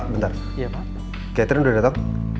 bentar catherine udah datang